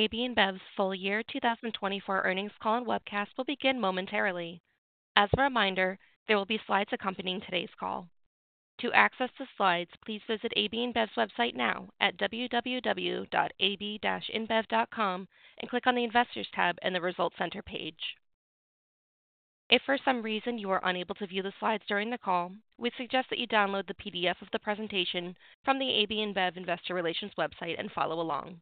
AB InBev's full year 2024 earnings call and webcast will begin momentarily. As a reminder, there will be slides accompanying today's call. To access the slides, please visit AB InBev's website now at www.ab-inbev.com and click on the Investors tab in the Results Center page. If for some reason you are unable to view the slides during the call, we suggest that you download the PDF of the presentation from the AB InBev Investor Relations website and follow along.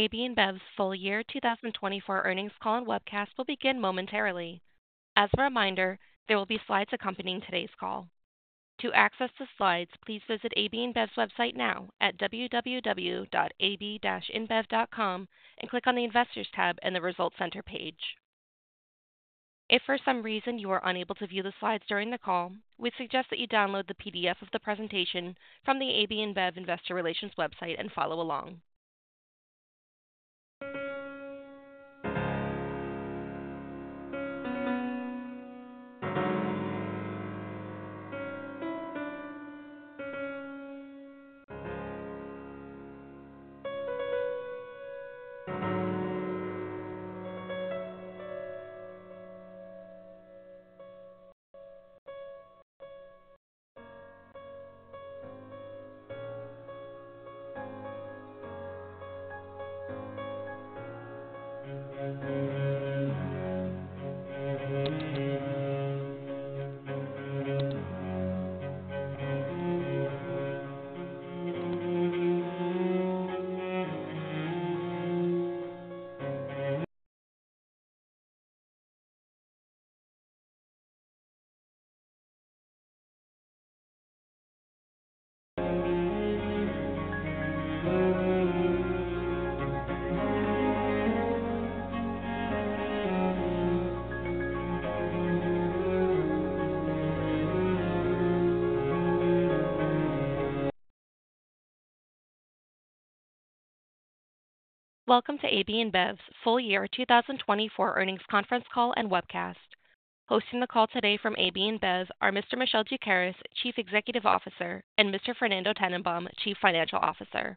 If for some reason you are unable to view the slides during the call, we suggest that you download the PDF of the presentation from the AB InBev Investor Relations website and follow along. Welcome to AB InBev's full year 2024 earnings conference call and webcast. Hosting the call today from AB InBev are Mr. Michel Doukeris, Chief Executive Officer, and Mr. Fernando Tennenbaum, Chief Financial Officer.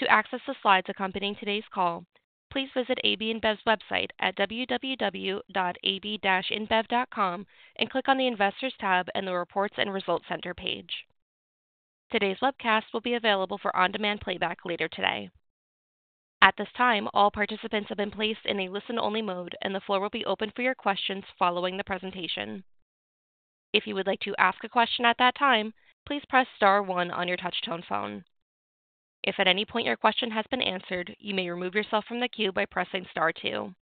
To access the slides accompanying today's call, please visit AB InBev's website at www.ab-inbev.com and click on the Investors tab in the Reports and Results Center page. Today's webcast will be available for on-demand playback later today. At this time, all participants have been placed in a listen-only mode, and the floor will be open for your questions following the presentation. If you would like to ask a question at that time, please press star one on your touch-tone phone. If at any point your question has been answered, you may remove yourself from the queue by pressing star two.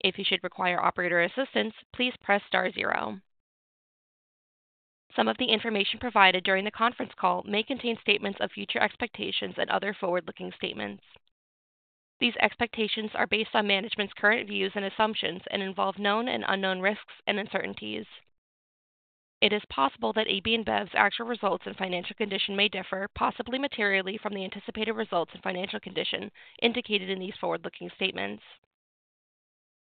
If you should require operator assistance, please press star zero. Some of the information provided during the conference call may contain statements of future expectations and other forward-looking statements. These expectations are based on management's current views and assumptions and involve known and unknown risks and uncertainties. It is possible that AB InBev's actual results and financial condition may differ, possibly materially, from the anticipated results and financial condition indicated in these forward-looking statements.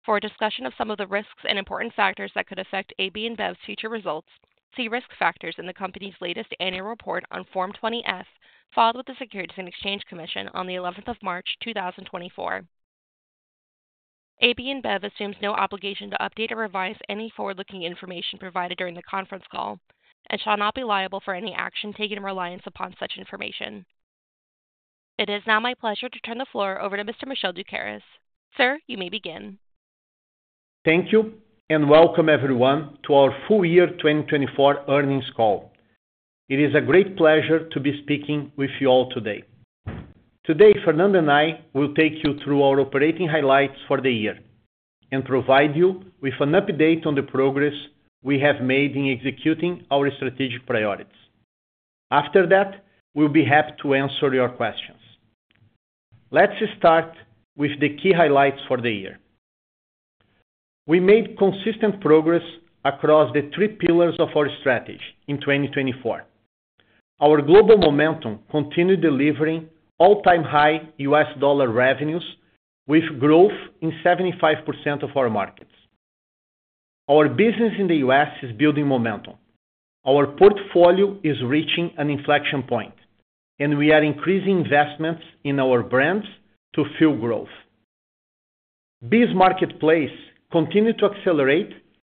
For a discussion of some of the risks and important factors that could affect AB InBev's future results, see risk factors in the company's latest annual report on Form 20-F, filed with the Securities and Exchange Commission on the 11th of March, 2024. AB InBev assumes no obligation to update or revise any forward-looking information provided during the conference call and shall not be liable for any action taken or reliance upon such information. It is now my pleasure to turn the floor over to Mr. Michel Doukeris. Sir, you may begin. Thank you and welcome everyone to our full year 2024 earnings call. It is a great pleasure to be speaking with you all today. Today, Fernando and I will take you through our operating highlights for the year and provide you with an update on the progress we have made in executing our strategic priorities. After that, we'll be happy to answer your questions. Let's start with the key highlights for the year. We made consistent progress across the three pillars of our strategy in 2024. Our global momentum continued delivering all-time high U.S. dollar revenues, with growth in 75% of our markets. Our business in the US is building momentum. Our portfolio is reaching an inflection point, and we are increasing investments in our brands to fuel growth. BEES continued to accelerate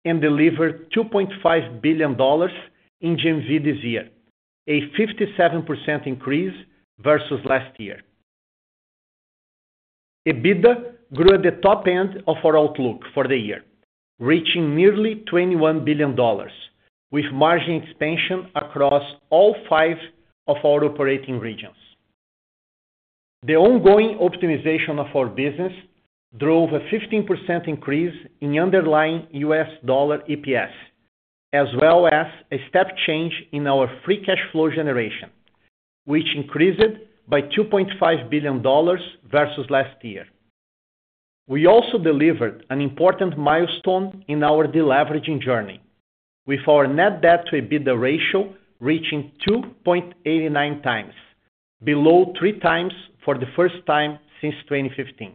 and deliver $2.5 billion in GMV this year, a 57% increase versus last year. EBITDA grew at the top end of our outlook for the year, reaching nearly $21 billion, with margin expansion across all five of our operating regions. The ongoing optimization of our business drove a 15% increase in underlying U.S. dollar EPS, as well as a step change in our free cash flow generation, which increased by $2.5 billion versus last year. We also delivered an important milestone in our deleveraging journey, with our net debt-to-EBITDA ratio reaching 2.89 times, below three times for the first time since 2015.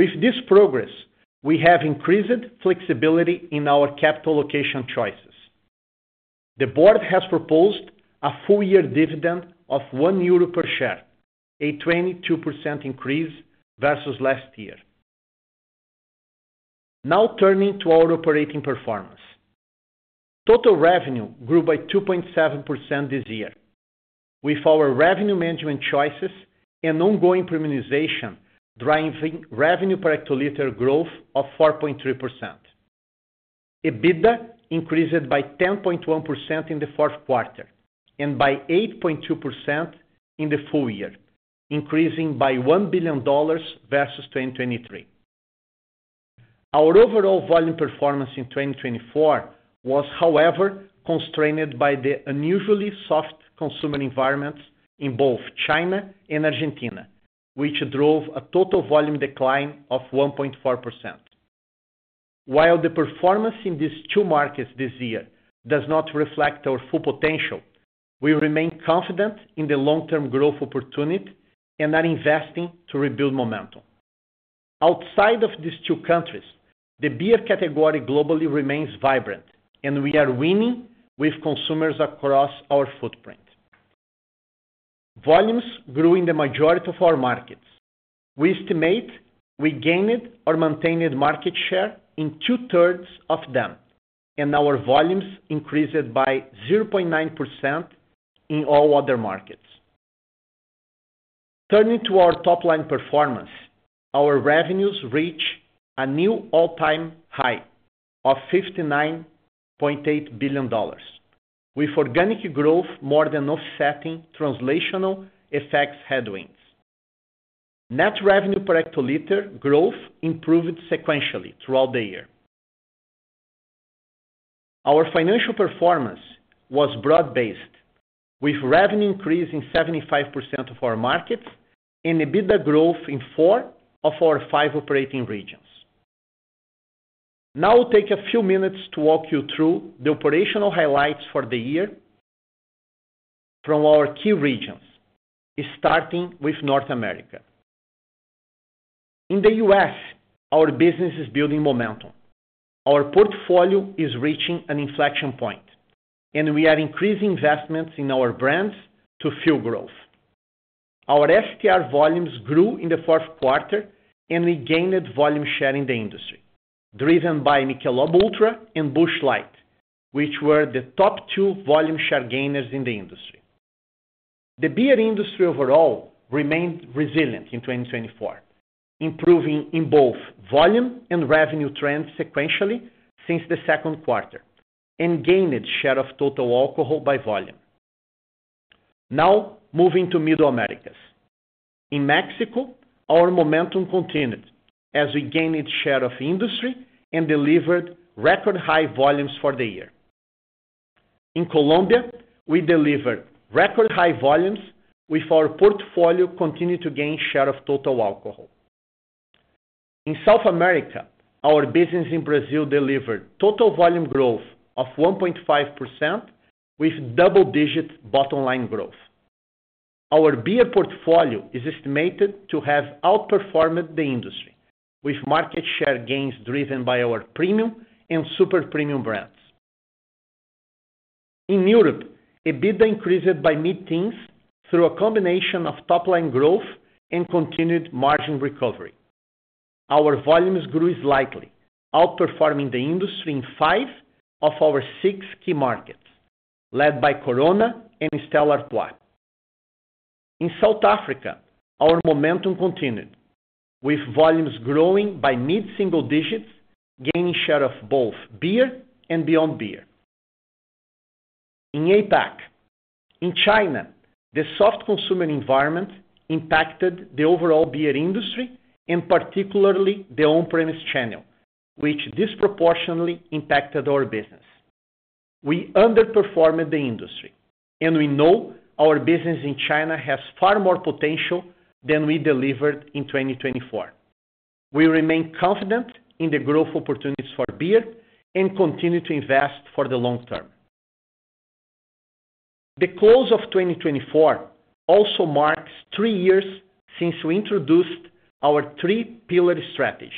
With this progress, we have increased flexibility in our capital allocation choices. The board has proposed a full-year dividend of 1 euro per share, a 22% increase versus last year. Now, turning to our operating performance, total revenue grew by 2.7% this year, with our revenue management choices and ongoing premiumization driving revenue per hectoliter growth of 4.3%. EBITDA increased by 10.1% in the fourth quarter and by 8.2% in the full year, increasing by $1 billion versus 2023. Our overall volume performance in 2024 was, however, constrained by the unusually soft consumer environments in both China and Argentina, which drove a total volume decline of 1.4%. While the performance in these two markets this year does not reflect our full potential, we remain confident in the long-term growth opportunity and are investing to rebuild momentum. Outside of these two countries, the beer category globally remains vibrant, and we are winning with consumers across our footprint. Volumes grew in the majority of our markets. We estimate we gained or maintained market share in two-thirds of them, and our volumes increased by 0.9% in all other markets. Turning to our top-line performance, our revenues reached a new all-time high of $59.8 billion, with organic growth more than offsetting translational effects headwinds. Net revenue per hectoliter growth improved sequentially throughout the year. Our financial performance was broad-based, with revenue increasing in 75% of our markets and EBITDA growth in four of our five operating regions. Now, I'll take a few minutes to walk you through the operational highlights for the year from our key regions, starting with North America. In the US, our business is building momentum. Our portfolio is reaching an inflection point, and we are increasing investments in our brands to fuel growth. Our STR volumes grew in the fourth quarter, and we gained volume share in the industry, driven by Michelob Ultra and Busch Light, which were the top two volume share gainers in the industry. The beer industry overall remained resilient in 2024, improving in both volume and revenue trends sequentially since the second quarter, and gained share of total alcohol by volume. Now, moving to Middle Americas. In Mexico, our momentum continued as we gained share of industry and delivered record-high volumes for the year. In Colombia, we delivered record-high volumes, with our portfolio continuing to gain share of total alcohol. In South America, our business in Brazil delivered total volume growth of 1.5%, with double-digit bottom-line growth. Our beer portfolio is estimated to have outperformed the industry, with market share gains driven by our premium and super premium brands. In Europe, EBITDA increased by mid-teens through a combination of top-line growth and continued margin recovery. Our volumes grew slightly, outperforming the industry in five of our six key markets, led by Corona and Stella Artois. In South Africa, our momentum continued, with volumes growing by mid-single digits, gaining share of both beer and beyond beer. In APAC, in China, the soft consumer environment impacted the overall beer industry, and particularly the on-premise channel, which disproportionately impacted our business. We underperformed the industry, and we know our business in China has far more potential than we delivered in 2024. We remain confident in the growth opportunities for beer and continue to invest for the long term. The close of 2024 also marks three years since we introduced our three-pillar strategy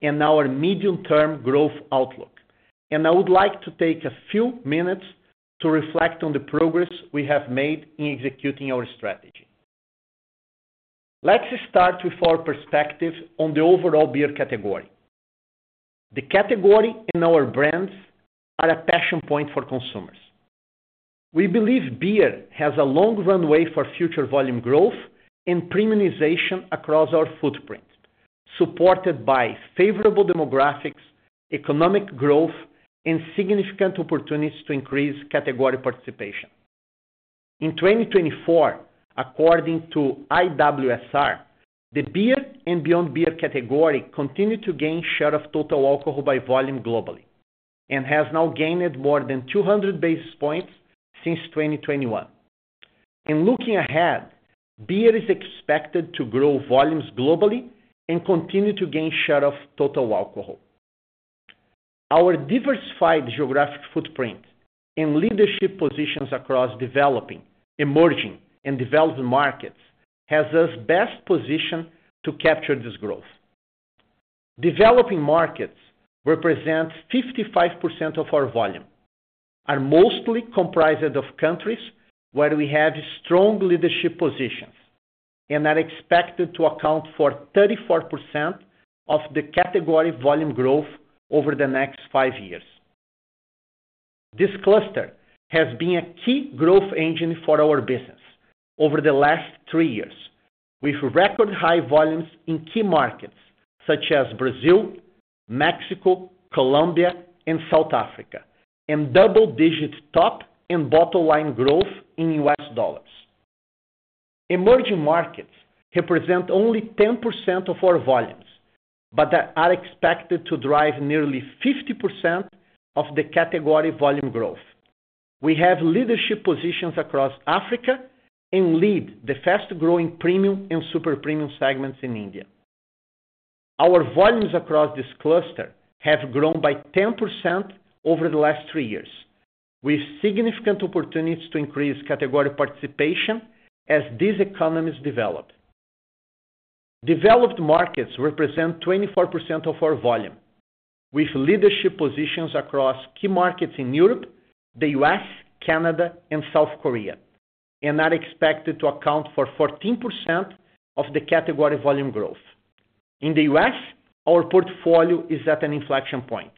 and our medium-term growth outlook, and I would like to take a few minutes to reflect on the progress we have made in executing our strategy. Let's start with our perspective on the overall beer category. The category and our brands are a passion point for consumers. We believe beer has a long runway for future volume growth and premiumization across our footprint, supported by favorable demographics, economic growth, and significant opportunities to increase category participation. In 2024, according to IWSR, the beer and beyond beer category continued to gain share of total alcohol by volume globally and has now gained more than 200 basis points since 2021. In looking ahead, beer is expected to grow volumes globally and continue to gain share of total alcohol. Our diversified geographic footprint and leadership positions across developing, emerging, and developed markets have us best positioned to capture this growth. Developing markets represent 55% of our volume, are mostly comprised of countries where we have strong leadership positions, and are expected to account for 34% of the category volume growth over the next five years. This cluster has been a key growth engine for our business over the last three years, with record-high volumes in key markets such as Brazil, Mexico, Colombia, and South Africa, and double-digit top and bottom-line growth in U.S. dollars. Emerging markets represent only 10% of our volumes, but are expected to drive nearly 50% of the category volume growth. We have leadership positions across Africa and lead the fast-growing premium and super premium segments in India. Our volumes across this cluster have grown by 10% over the last three years, with significant opportunities to increase category participation as these economies develop. Developed markets represent 24% of our volume, with leadership positions across key markets in Europe, the U.S., Canada, and South Korea, and are expected to account for 14% of the category volume growth. In the U.S., our portfolio is at an inflection point.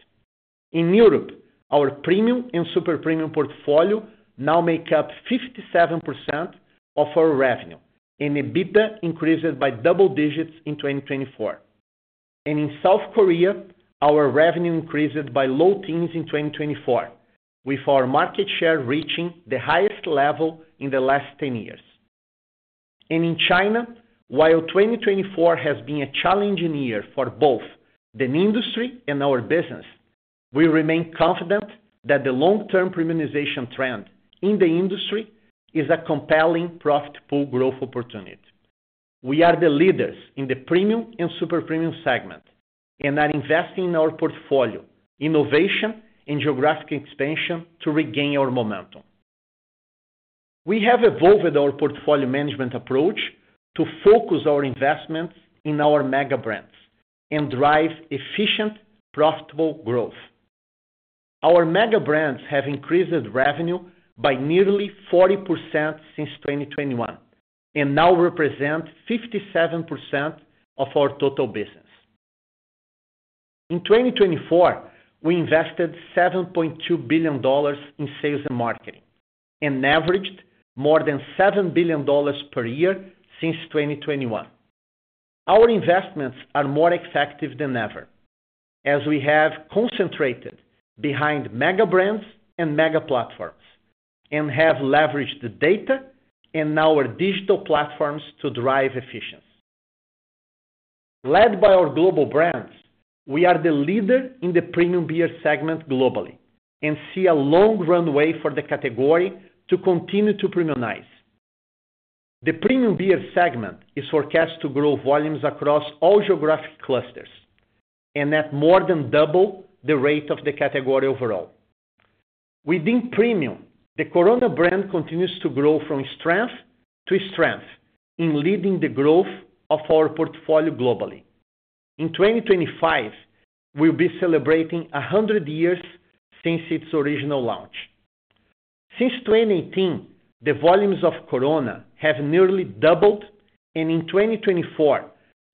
In Europe, our premium and super premium portfolio now make up 57% of our revenue, and EBITDA increased by double digits in 2024. In South Korea, our revenue increased by low teens in 2024, with our market share reaching the highest level in the last 10 years. In China, while 2024 has been a challenging year for both the industry and our business, we remain confident that the long-term premiumization trend in the industry is a compelling profit pool growth opportunity. We are the leaders in the premium and super premium segment and are investing in our portfolio, innovation, and geographic expansion to regain our momentum. We have evolved our portfolio management approach to focus our investments in our mega brands and drive efficient, profitable growth. Our mega brands have increased revenue by nearly 40% since 2021 and now represent 57% of our total business. In 2024, we invested $7.2 billion in sales and marketing and averaged more than $7 billion per year since 2021. Our investments are more effective than ever, as we have concentrated behind mega brands and mega platforms and have leveraged the data and our digital platforms to drive efficiency. Led by our global brands, we are the leader in the premium beer segment globally and see a long runway for the category to continue to premiumize. The premium beer segment is forecast to grow volumes across all geographic clusters and at more than double the rate of the category overall. Within premium, the Corona brand continues to grow from strength to strength in leading the growth of our portfolio globally. In 2025, we'll be celebrating 100 years since its original launch. Since 2018, the volumes of Corona have nearly doubled, and in 2024,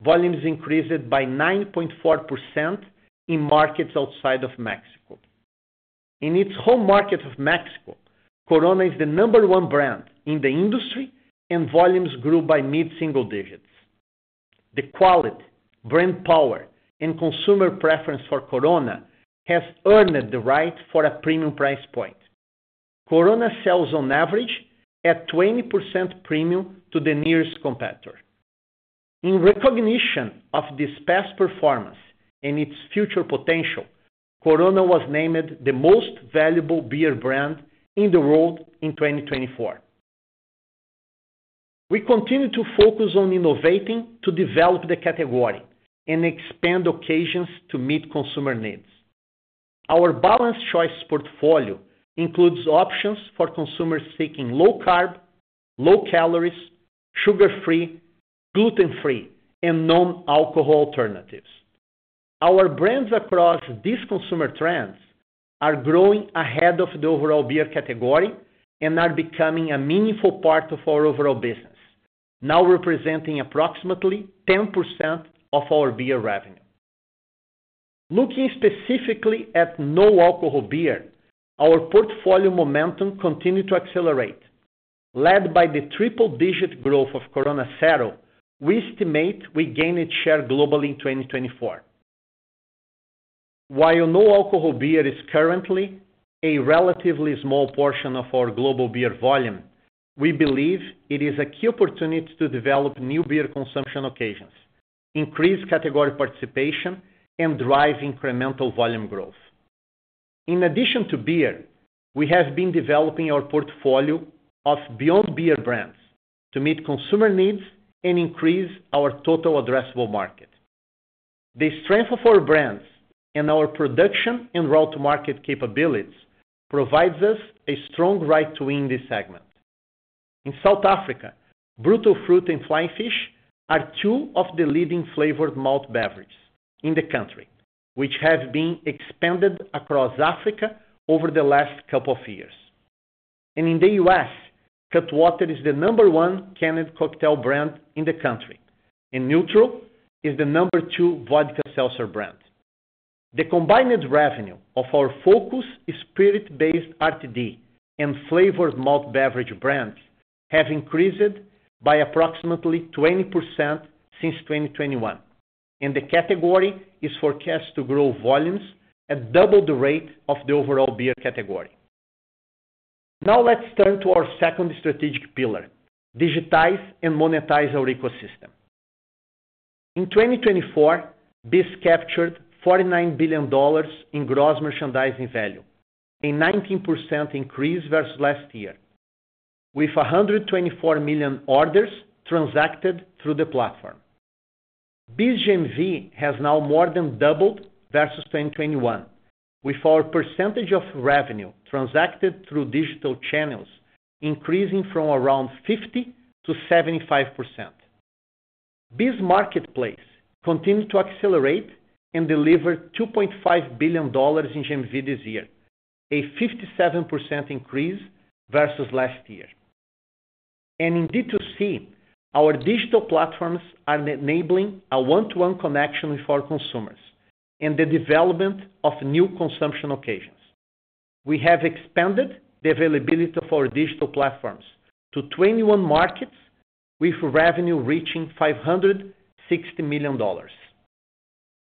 volumes increased by 9.4% in markets outside of Mexico. In its home market of Mexico, Corona is the number one brand in the industry, and volumes grew by mid-single digits. The quality, brand power, and consumer preference for Corona have earned the right for a premium price point. Corona sells, on average, at 20% premium to the nearest competitor. In recognition of this past performance and its future potential, Corona was named the most valuable beer brand in the world in 2024. We continue to focus on innovating to develop the category and expand occasions to meet consumer needs. Our balanced choice portfolio includes options for consumers seeking low carb, low calories, sugar-free, gluten-free, and non-alcohol alternatives. Our brands across these consumer trends are growing ahead of the overall beer category and are becoming a meaningful part of our overall business, now representing approximately 10% of our beer revenue. Looking specifically at non-alcoholic beer, our portfolio momentum continues to accelerate. Led by the triple-digit growth of Corona Cero, we estimate we gained share globally in 2024. While non-alcoholic beer is currently a relatively small portion of our global beer volume, we believe it is a key opportunity to develop new beer consumption occasions, increase category participation, and drive incremental volume growth. In addition to beer, we have been developing our portfolio of Beyond Beer brands to meet consumer needs and increase our total addressable market. The strength of our brands and our production and route-to-market capabilities provide us a strong right to win this segment. In South Africa, Brutal Fruit and Flying Fish are two of the leading flavored malt beverages in the country, which have been expanded across Africa over the last couple of years. In the US, Cutwater is the number one canned cocktail brand in the country, and Nütrl is the number two vodka seltzer brand. The combined revenue of our focus spirit-based RTD and flavored malt beverage brands has increased by approximately 20% since 2021, and the category is forecast to grow volumes at double the rate of the overall beer category. Now, let's turn to our second strategic pillar: digitize and monetize our ecosystem. In 2024, BEES captured $49 billion in gross merchandise value, a 19% increase versus last year, with 124 million orders transacted through the platform. BEES GMV has now more than doubled versus 2021, with our percentage of revenue transacted through digital channels increasing from around 50%-75%. BEES Marketplace continues to accelerate and deliver $2.5 billion in GMV this year, a 57% increase versus last year, and in D2C, our digital platforms are enabling a one-to-one connection with our consumers and the development of new consumption occasions. We have expanded the availability of our digital platforms to 21 markets, with revenue reaching $560 million.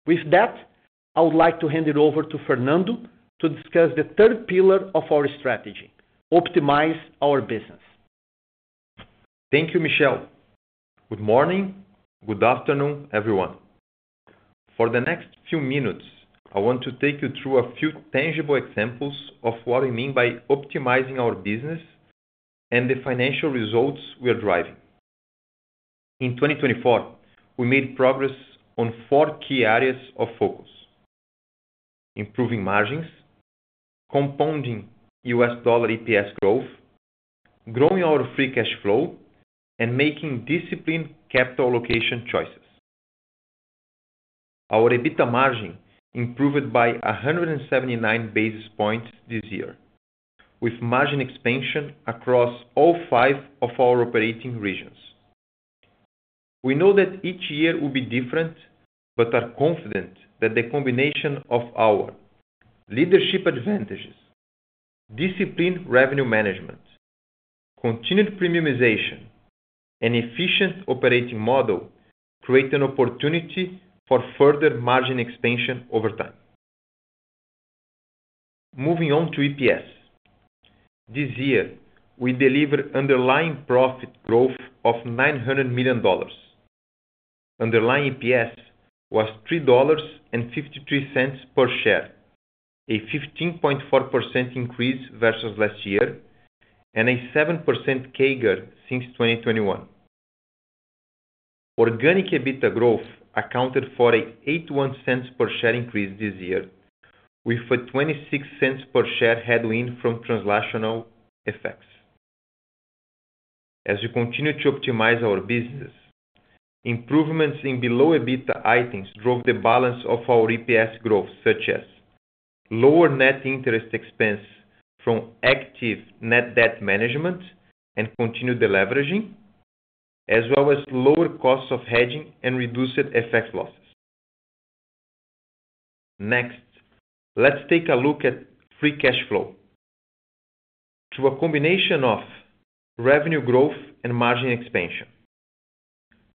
With that, I would like to hand it over to Fernando to discuss the third pillar of our strategy: optimize our business. Thank you, Michel. Good morning, good afternoon, everyone. For the next few minutes, I want to take you through a few tangible examples of what we mean by optimizing our business and the financial results we are driving. In 2024, we made progress on four key areas of focus: improving margins, compounding U.S. dollar EPS growth, growing our free cash flow, and making disciplined capital allocation choices. Our EBITDA margin improved by 179 basis points this year, with margin expansion across all five of our operating regions. We know that each year will be different, but are confident that the combination of our leadership advantages, disciplined revenue management, continued premiumization, and efficient operating model creates an opportunity for further margin expansion over time. Moving on to EPS, this year, we delivered underlying profit growth of $900 million. Underlying EPS was $3.53 per share, a 15.4% increase versus last year, and a 7% CAGR since 2021. Organic EBITDA growth accounted for an $0.81 per share increase this year, with a $0.26 per share headwind from translational effects. As we continue to optimize our business, improvements in below EBITDA items drove the balance of our EPS growth, such as lower net interest expense from active net debt management and continued deleveraging, as well as lower costs of hedging and reduced FX losses. Next, let's take a look at free cash flow through a combination of revenue growth and margin expansion,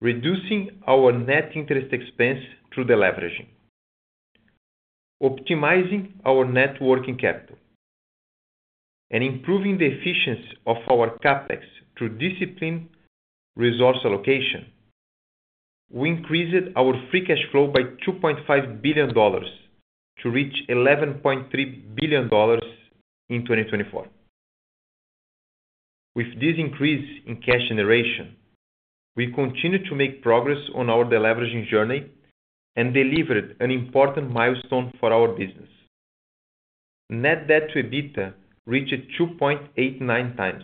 reducing our net interest expense through deleveraging, optimizing our net working capital, and improving the efficiency of our CapEx through disciplined resource allocation. We increased our free cash flow by $2.5 billion to reach $11.3 billion in 2024. With this increase in cash generation, we continue to make progress on our deleveraging journey and delivered an important milestone for our business: net debt to EBITDA reached 2.89 times,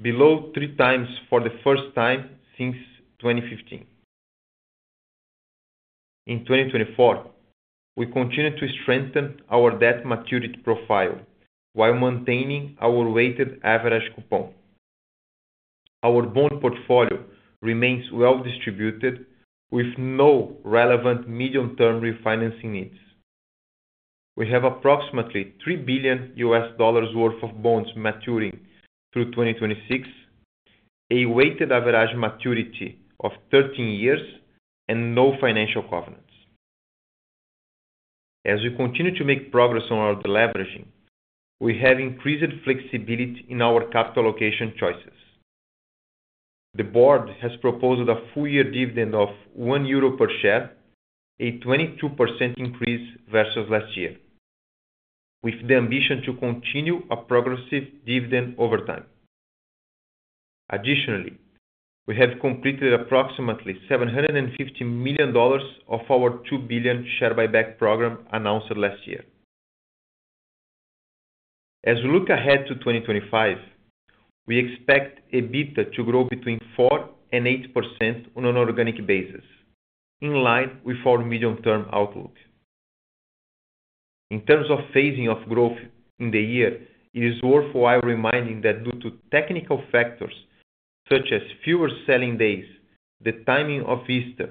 below three times for the first time since 2015. In 2024, we continued to strengthen our debt maturity profile while maintaining our weighted average coupon. Our bond portfolio remains well distributed, with no relevant medium-term refinancing needs. We have approximately $3 billion US dollars worth of bonds maturing through 2026, a weighted average maturity of 13 years, and no financial covenants. As we continue to make progress on our leveraging, we have increased flexibility in our capital allocation choices. The board has proposed a full-year dividend of 1 euro per share, a 22% increase versus last year, with the ambition to continue a progressive dividend over time. Additionally, we have completed approximately $750 million of our $2 billion share buyback program announced last year. As we look ahead to 2025, we expect EBITDA to grow between 4% and 8% on an organic basis, in line with our medium-term outlook. In terms of phasing of growth in the year, it is worthwhile reminding that due to technical factors such as fewer selling days, the timing of Easter,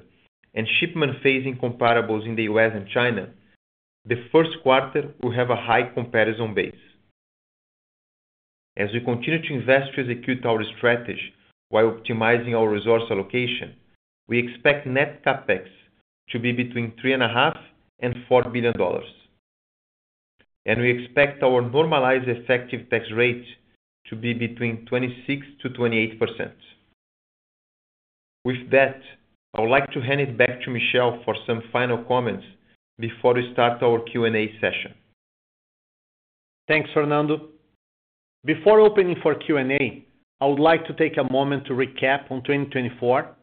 and shipment phasing comparables in the U.S. and China, the first quarter will have a high comparison base. As we continue to invest to execute our strategy while optimizing our resource allocation, we expect net CapEx to be between $3.5-$4 billion, and we expect our normalized effective tax rate to be between 26%-28%. With that, I would like to hand it back to Michel for some final comments before we start our Q&A session. Thanks, Fernando. Before opening for Q&A, I would like to take a moment to recap on 2024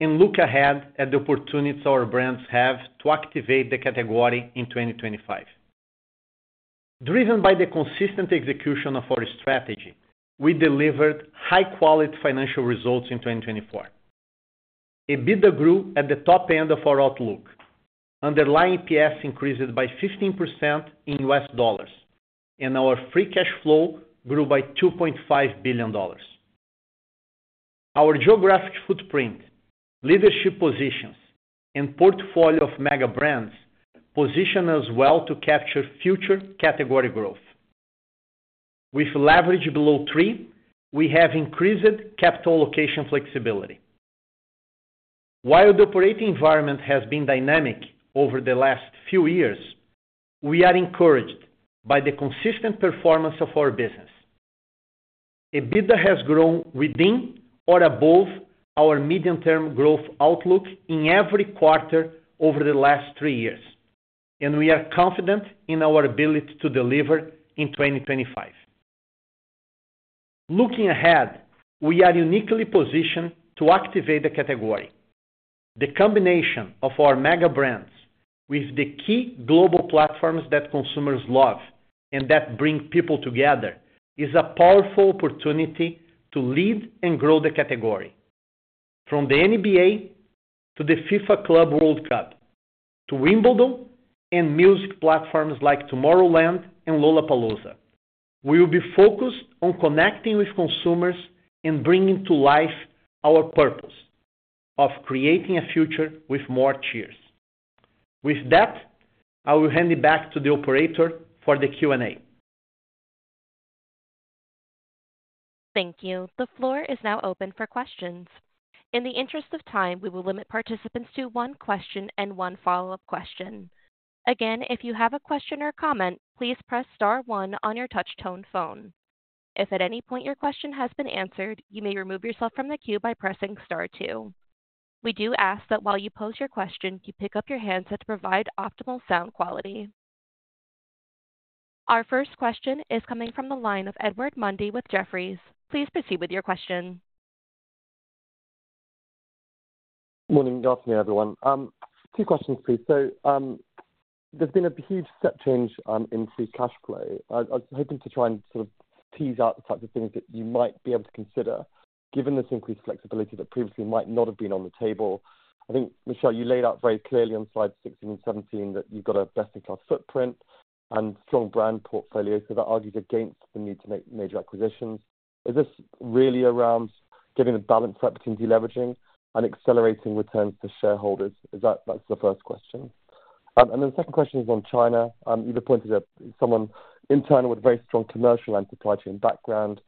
and look ahead at the opportunities our brands have to activate the category in 2025. Driven by the consistent execution of our strategy, we delivered high-quality financial results in 2024. EBITDA grew at the top end of our outlook, underlying EPS increased by 15% in U.S. dollars, and our free cash flow grew by $2.5 billion. Our geographic footprint, leadership positions, and portfolio of mega brands position us well to capture future category growth. With leverage below three, we have increased capital allocation flexibility. While the operating environment has been dynamic over the last few years, we are encouraged by the consistent performance of our business. EBITDA has grown within or above our medium-term growth outlook in every quarter over the last three years, and we are confident in our ability to deliver in 2025. Looking ahead, we are uniquely positioned to activate the category. The combination of our mega brands with the key global platforms that consumers love and that bring people together is a powerful opportunity to lead and grow the category. From the NBA to the FIFA Club World Cup to Wimbledon and music platforms like Tomorrowland and Lollapalooza, we will be focused on connecting with consumers and bringing to life our purpose of creating a future with more cheers. With that, I will hand it back to the operator for the Q&A. Thank you. The floor is now open for questions. In the interest of time, we will limit participants to one question and one follow-up question. Again, if you have a question or comment, please press star one on your touch-tone phone. If at any point your question has been answered, you may remove yourself from the queue by pressing star two. We do ask that while you pose your question, you pick up your handset to provide optimal sound quality. Our first question is coming from the line of Edward Mundy with Jefferies. Please proceed with your question. Good morning, good afternoon, everyone. Two questions, please. So there's been a huge step change in free cash flow. I was hoping to try and sort of tease out the types of things that you might be able to consider given this increased flexibility that previously might not have been on the table. I think, Michel, you laid out very clearly on slides 16 and 17 that you've got a best-in-class footprint and strong brand portfolio, so that argues against the need to make major acquisitions. Is this really around getting the balance of opportunity leveraging and accelerating returns to shareholders? That's the first question, and then the second question is on China. You've appointed someone internal with a very strong commercial and supply chain background.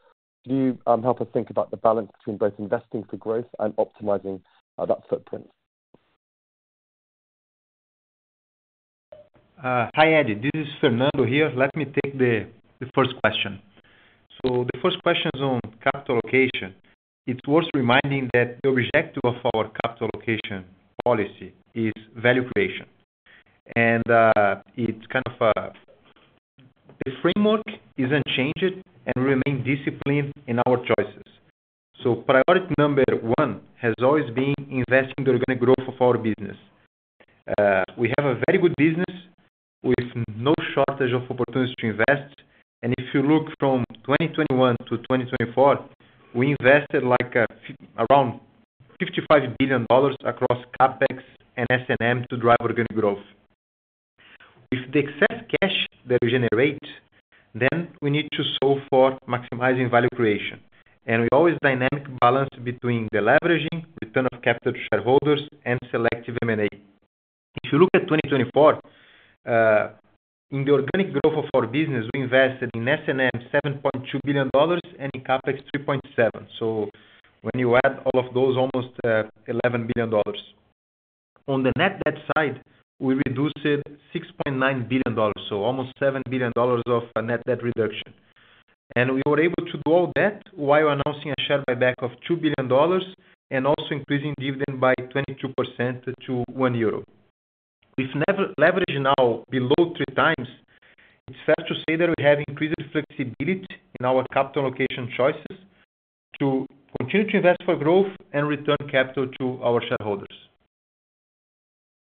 Can you help us think about the balance between both investing for growth and optimizing that footprint? Hi Eddie, this is Fernando here. Let me take the first question. So the first question is on capital allocation. It's worth reminding that the objective of our capital allocation policy is value creation. And it's kind of the framework is unchanged and we remain disciplined in our choices. So priority number one has always been investing in the organic growth of our business. We have a very good business with no shortage of opportunities to invest. And if you look from 2021 to 2024, we invested around $55 billion across CapEx and S&M to drive organic growth. With the excess cash that we generate, then we need to solve for maximizing value creation. We always dynamically balance between the leveraging, return of capital to shareholders, and selective M&A. If you look at 2024, in the organic growth of our business, we invested in SG&A $7.2 billion and in CapEx $3.7 billion. When you add all of those, almost $11 billion. On the net debt side, we reduced it $6.9 billion, so almost $7 billion of net debt reduction. We were able to do all that while announcing a share buyback of $2 billion and also increasing dividend by 22% to 1 euro. With leverage now below three times, it's fair to say that we have increased flexibility in our capital allocation choices to continue to invest for growth and return capital to our shareholders.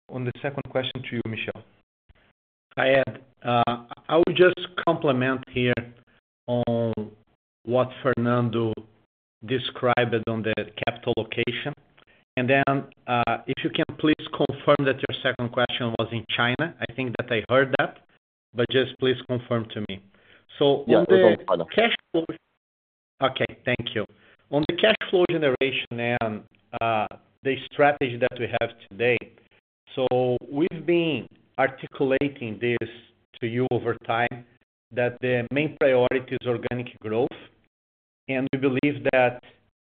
On the second question to you, Michel. Hi Ed. I will just comment here on what Fernando described on the capital allocation. And then, if you can please confirm that your second question was in China. I think that I heard that, but just please confirm to me. So on the cash flow. Okay, thank you. On the cash flow generation and the strategy that we have today, so we've been articulating this to you over time that the main priority is organic growth. And we believe that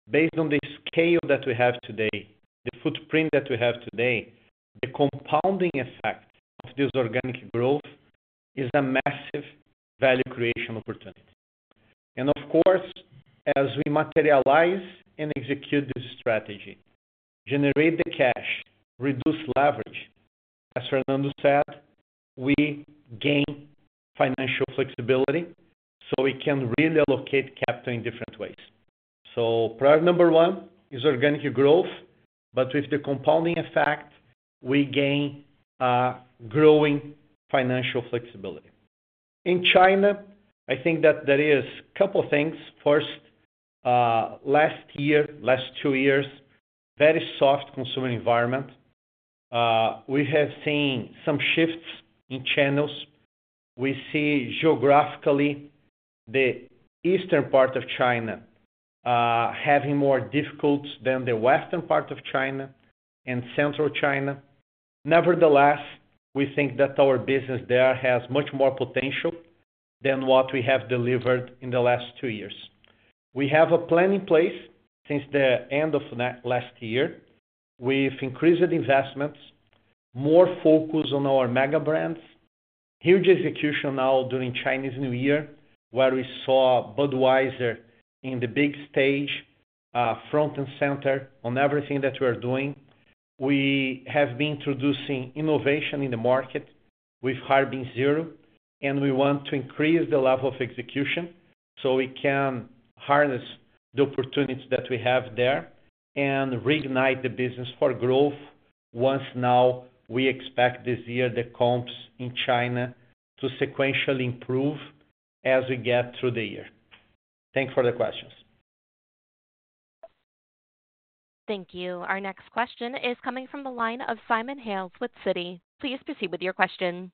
based on the scale that we have today, the footprint that we have today, the compounding effect of this organic growth is a massive value creation opportunity. And of course, as we materialize and execute this strategy, generate the cash, reduce leverage, as Fernando said, we gain financial flexibility so we can really allocate capital in different ways. So priority number one is organic growth, but with the compounding effect, we gain growing financial flexibility. In China, I think that there are a couple of things. First, last year, last two years, very soft consumer environment. We have seen some shifts in channels. We see geographically the eastern part of China having more difficulty than the western part of China and central China. Nevertheless, we think that our business there has much more potential than what we have delivered in the last two years. We have a plan in place since the end of last year with increased investments, more focus on our Mega Brands, huge execution now during Chinese New Year where we saw Budweiser in the big stage, front and center on everything that we are doing. We have been introducing innovation in the market with Harbin Zero, and we want to increase the level of execution so we can harness the opportunities that we have there and reignite the business for growth once now we expect this year the comps in China to sequentially improve as we get through the year. Thanks for the questions. Thank you. Our next question is coming from the line of Simon Hales with Citi. Please proceed with your question.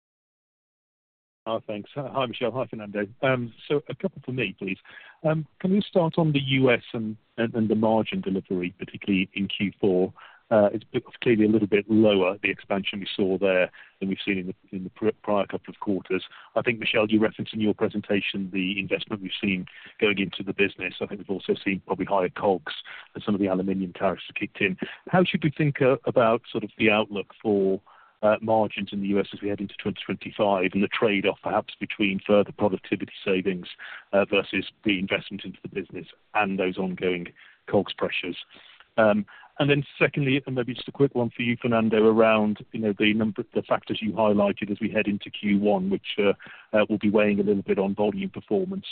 Thanks. Hi, Michel. Hi Fernando. So a couple for me, please. Can we start on the U.S. and the margin delivery, particularly in Q4? It's clearly a little bit lower, the expansion we saw there than we've seen in the prior couple of quarters. I think, Michel, you referenced in your presentation the investment we've seen going into the business. I think we've also seen probably higher COGS and some of the aluminum tariffs kicked in. How should we think about sort of the outlook for margins in the U.S. as we head into 2025 and the trade-off perhaps between further productivity savings versus the investment into the business and those ongoing COGS pressures? And then secondly, and maybe just a quick one for you, Fernando, around the factors you highlighted as we head into Q1, which will be weighing a little bit on volume performance.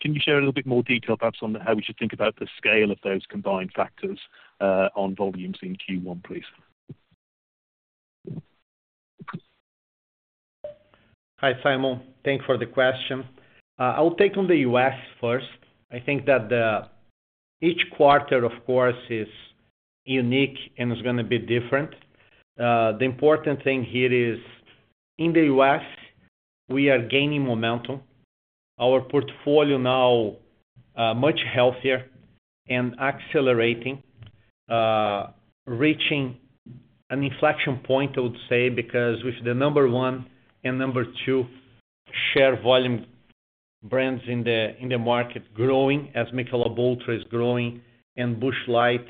Can you share a little bit more detail perhaps on how we should think about the scale of those combined factors on volumes in Q1, please? Hi, Simon. Thanks for the question. I'll take on the U.S. first. I think that each quarter, of course, is unique and is going to be different. The important thing here is in the U.S., we are gaining momentum. Our portfolio now is much healthier and accelerating, reaching an inflection point, I would say, because with the number one and number two share volume brands in the market growing as Michelob Ultra is growing and Busch Light,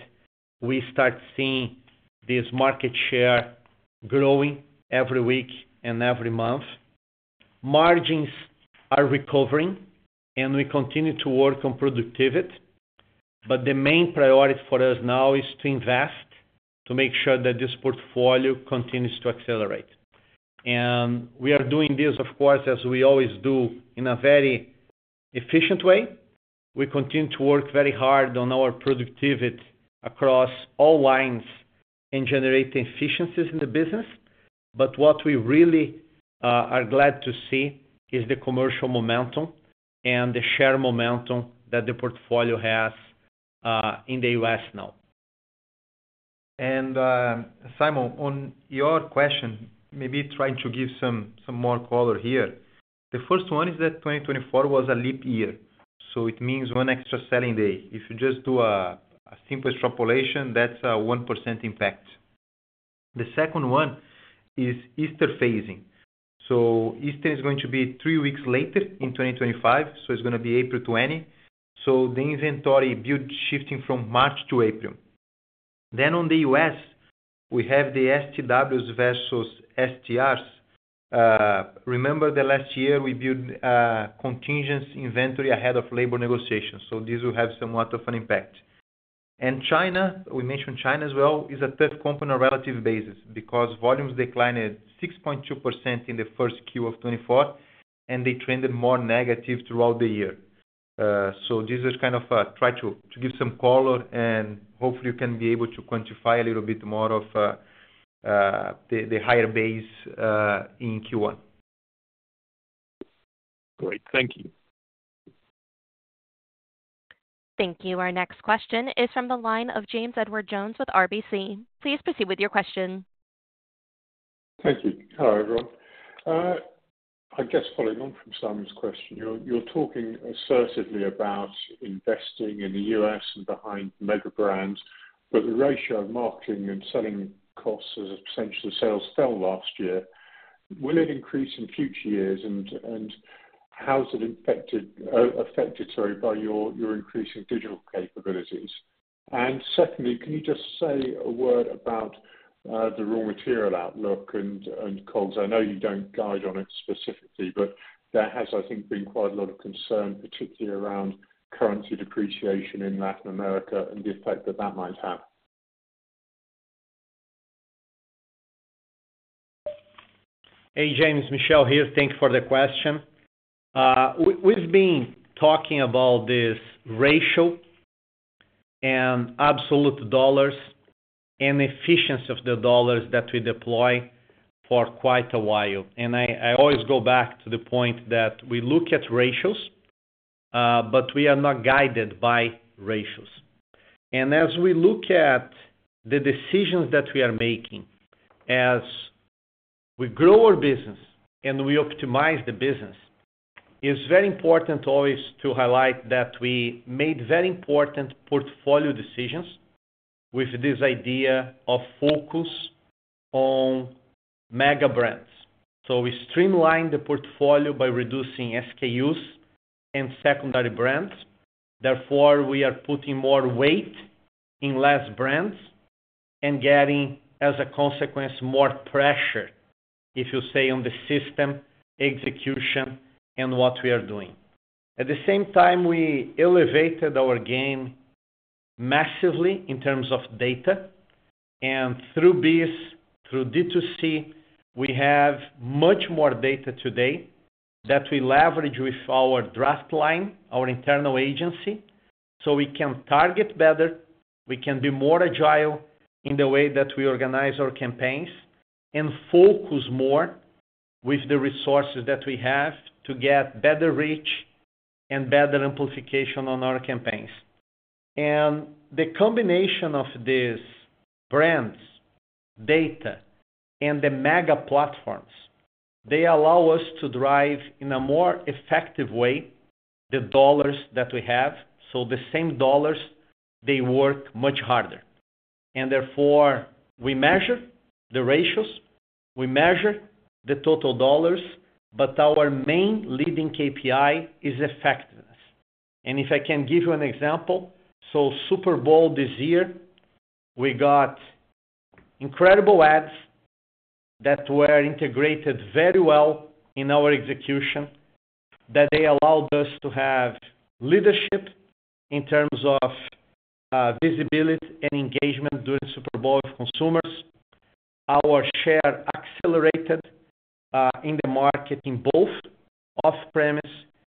we start seeing this market share growing every week and every month. Margins are recovering, and we continue to work on productivity, but the main priority for us now is to invest, to make sure that this portfolio continues to accelerate, and we are doing this, of course, as we always do in a very efficient way. We continue to work very hard on our productivity across all lines and generate efficiencies in the business, but what we really are glad to see is the commercial momentum and the share momentum that the portfolio has in the U.S. now. Simon, on your question, maybe trying to give some more color here, the first one is that 2024 was a leap year. So it means one extra selling day. If you just do a simple extrapolation, that's a 1% impact. The second one is Easter phasing. So Easter is going to be three weeks later in 2025, so it's going to be April 20. So the inventory build shifting from March to April. Then on the U.S., we have the STWs versus STRs. Remember the last year we built contingency inventory ahead of labor negotiations. So this will have somewhat of an impact. And China, we mentioned China as well, is a tough company on a relative basis because volumes declined 6.2% in the first Q of 2024, and they trended more negative throughout the year. So these are kind of try to give some color, and hopefully you can be able to quantify a little bit more of the higher base in Q1. Great. Thank you. Thank you. Our next question is from the line of James Edwardes Jones with RBC. Please proceed with your question. Thank you. Hello, everyone. I guess following on from Simon's question, you're talking assertively about investing in the U.S. and behind mega brands, but the ratio of marketing and selling costs as a percentage of sales fell last year. Will it increase in future years, and how is it affected by your increasing digital capabilities? And secondly, can you just say a word about the raw material outlook and COGS? I know you don't guide on it specifically, but there has, I think, been quite a lot of concern, particularly around currency depreciation in Latin America and the effect that that might have. Hey, James, Michel here. Thank you for the question. We've been talking about this ratio and absolute dollars and efficiency of the dollars that we deploy for quite a while. And I always go back to the point that we look at ratios, but we are not guided by ratios. And as we look at the decisions that we are making as we grow our business and we optimize the business, it's very important always to highlight that we made very important portfolio decisions with this idea of focus on mega brands. So we streamlined the portfolio by reducing SKUs and secondary brands. Therefore, we are putting more weight in less brands and getting, as a consequence, more pressure, if you say, on the system execution and what we are doing. At the same time, we elevated our game massively in terms of data. And through BEES, through D2C, we have much more data today that we leverage with our draftLine, our internal agency. So we can target better. We can be more agile in the way that we organize our campaigns and focus more with the resources that we have to get better reach and better amplification on our campaigns. And the combination of these brands, data, and the mega platforms, they allow us to drive in a more effective way the dollars that we have. So the same dollars, they work much harder. And therefore, we measure the ratios. We measure the total dollars, but our main leading KPI is effectiveness. And if I can give you an example, so Super Bowl this year, we got incredible ads that were integrated very well in our execution that they allowed us to have leadership in terms of visibility and engagement during Super Bowl with consumers. Our share accelerated in the market in both off-premise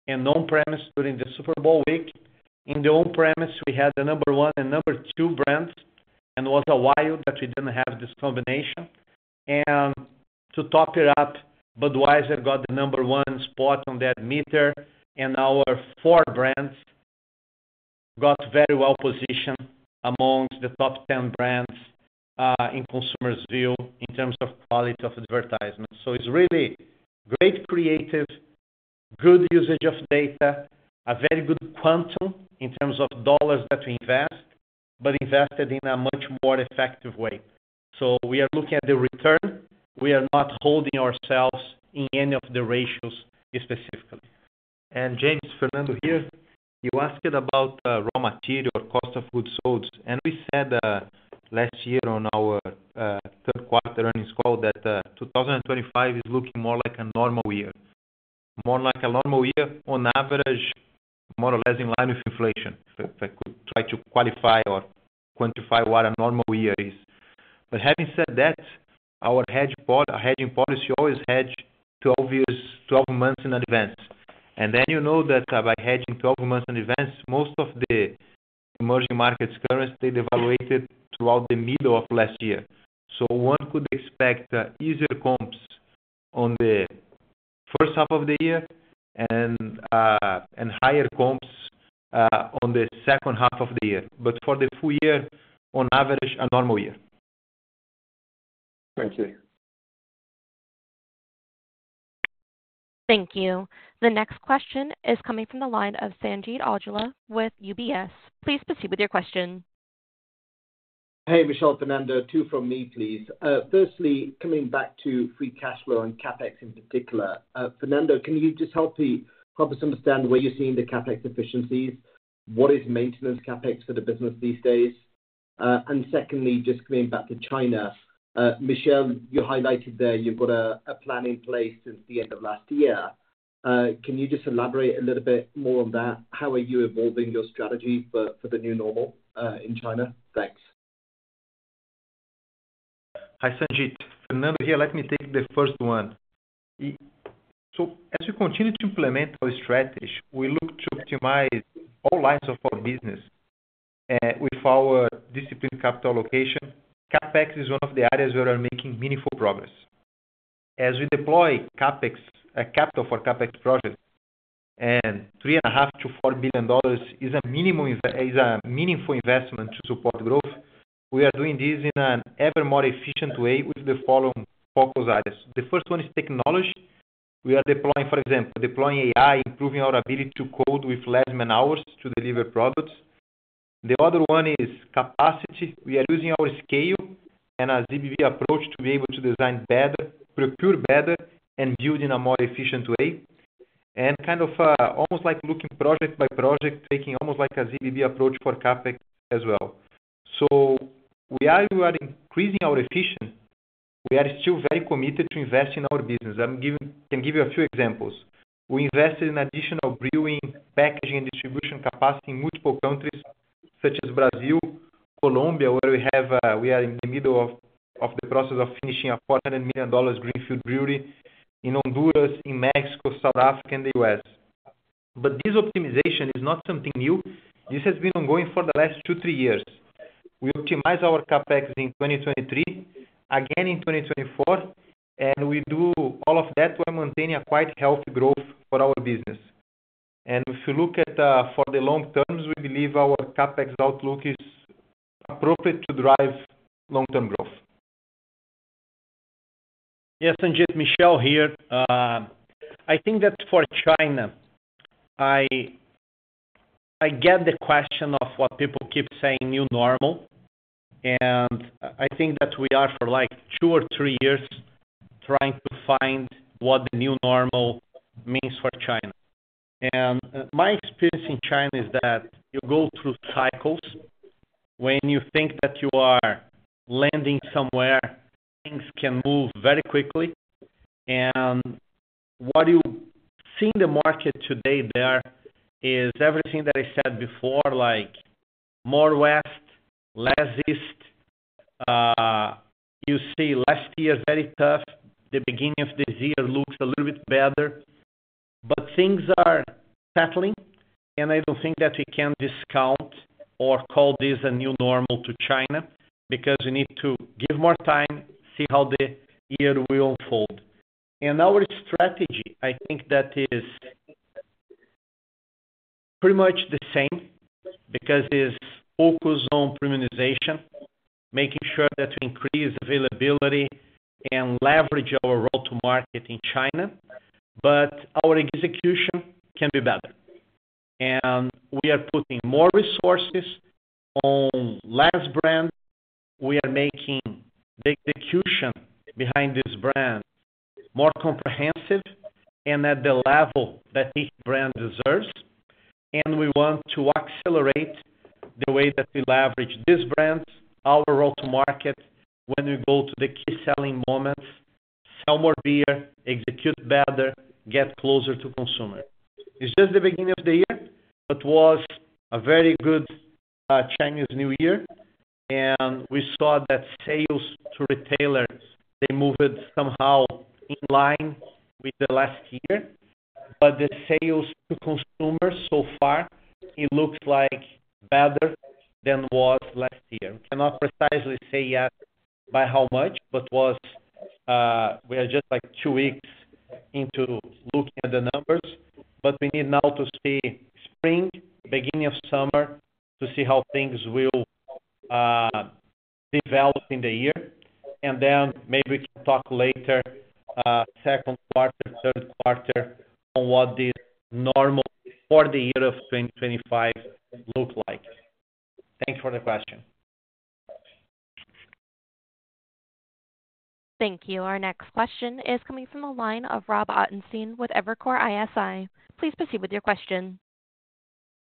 and on-premise during the Super Bowl week. In the on-premise, we had the number one and number two brands, and it was a while that we didn't have this combination. And to top it up, Budweiser got the number one spot on Ad Meter, and our four brands got very well positioned amongst the top 10 brands in consumers' view in terms of quality of advertisement. It's really great creative, good usage of data, a very good quantum in terms of dollars that we invest, but invested in a much more effective way, so we are looking at the return. We are not holding ourselves in any of the ratios specifically. And James, Fernando here, you asked about raw material or cost of goods sold, and we said last year on our third quarter earnings call that 2025 is looking more like a normal year, more like a normal year on average, more or less in line with inflation. If I could try to qualify or quantify what a normal year is, but having said that, our hedging policy always hedged 12 months in advance, and then you know that by hedging 12 months in advance, most of the emerging markets' currency devalued throughout the middle of last year. So one could expect easier comps on the first half of the year and higher comps on the second half of the year. But for the full year, on average, a normal year. Thank you. Thank you. The next question is coming from the line of Sanjeet Aujla with UBS. Please proceed with your question. Hey, Michel, Fernando, two from me, please. Firstly, coming back to free cash flow and CapEx in particular, Fernando, can you just help me help us understand where you're seeing the CapEx efficiencies? What is maintenance CapEx for the business these days? And secondly, just coming back to China, Michel, you highlighted there you've got a plan in place since the end of last year. Can you just elaborate a little bit more on that? How are you evolving your strategy for the new normal in China? Thanks. Hi, Sanjeet. Fernando here. Let me take the first one. So as we continue to implement our strategy, we look to optimize all lines of our business. With our disciplined capital allocation, CapEx is one of the areas where we are making meaningful progress. As we deploy capital for CapEx projects and $3.5 billion-$4 billion is a meaningful investment to support growth, we are doing this in an ever more efficient way with the following focus areas. The first one is technology. We are deploying, for example, deploying AI, improving our ability to code with less man-hours to deliver products. The other one is capacity. We are using our scale and a ZBB approach to be able to design better, procure better, and build in a more efficient way. And kind of almost like looking project by project, taking almost like a ZBB approach for CapEx as well. While we are increasing our efficiency, we are still very committed to invest in our business. I can give you a few examples. We invested in additional brewing, packaging, and distribution capacity in multiple countries such as Brazil, Colombia, where we are in the middle of the process of finishing a $400 million greenfield brewery in Honduras, in Mexico, South Africa, and the US. This optimization is not something new. This has been ongoing for the last two, three years. We optimized our CapEx in 2023, again in 2024, and we do all of that while maintaining a quite healthy growth for our business. If you look at for the long term, we believe our CapEx outlook is appropriate to drive long-term growth. Yes, Sanjeet, Michel here. I think that for China, I get the question of what people keep saying, new normal. I think that we are for like two or three years trying to find what the new normal means for China. My experience in China is that you go through cycles. When you think that you are landing somewhere, things can move very quickly. What you see in the market today there is everything that I said before, like more west, less east. You see last year very tough. The beginning of this year looks a little bit better. Things are settling, and I don't think that we can discount or call this a new normal to China because we need to give more time, see how the year will unfold. Our strategy, I think that is pretty much the same because it's focused on premiumization, making sure that we increase availability and leverage our road to market in China. But our execution can be better. And we are putting more resources on less brand. We are making the execution behind this brand more comprehensive and at the level that each brand deserves. And we want to accelerate the way that we leverage this brand, our road to market when we go to the key selling moments, sell more beer, execute better, get closer to consumer. It's just the beginning of the year, but was a very good Chinese New Year. And we saw that sales to retailers, they moved somehow in line with the last year. But the sales to consumers so far, it looks like better than was last year. We cannot precisely say yet by how much, but we are just like two weeks into looking at the numbers. But we need now to see spring, beginning of summer to see how things will develop in the year. And then maybe we can talk later, second quarter, third quarter on what the normal for the year of 2025 looks like. Thank you for the question. Thank you. Our next question is coming from the line of Robert Ottenstein with Evercore ISI. Please proceed with your question.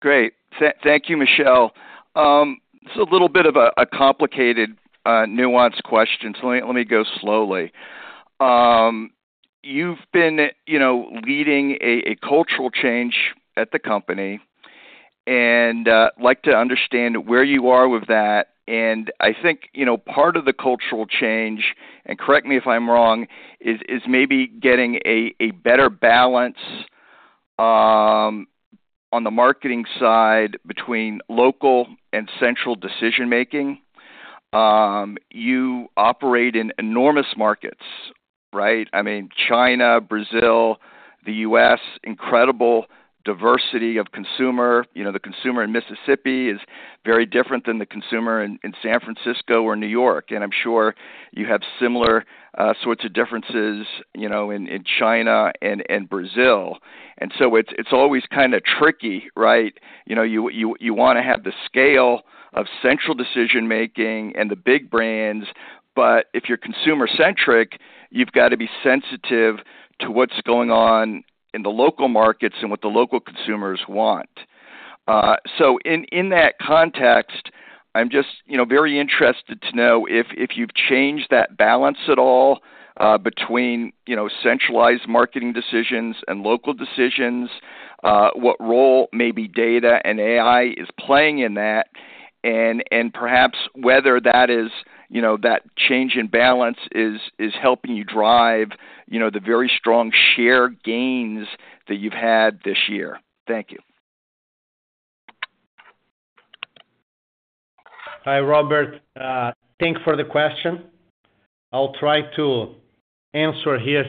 Great. Thank you, Michel. This is a little bit of a complicated, nuanced question, so let me go slowly. You've been leading a cultural change at the company, and I'd like to understand where you are with that. And I think part of the cultural change, and correct me if I'm wrong, is maybe getting a better balance on the marketing side between local and central decision-making. You operate in enormous markets, right? I mean, China, Brazil, the U.S., incredible diversity of consumer. The consumer in Mississippi is very different than the consumer in San Francisco or New York. And I'm sure you have similar sorts of differences in China and Brazil. And so it's always kind of tricky, right? You want to have the scale of central decision-making and the big brands, but if you're consumer-centric, you've got to be sensitive to what's going on in the local markets and what the local consumers want. So in that context, I'm just very interested to know if you've changed that balance at all between centralized marketing decisions and local decisions, what role maybe data and AI is playing in that, and perhaps whether that change in balance is helping you drive the very strong share gains that you've had this year. Thank you. Hi, Robert. Thanks for the question. I'll try to answer here